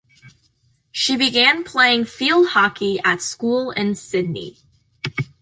She began playing field hockey at school in Sydney.